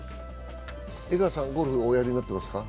江川さん、ゴルフおやりになってますか？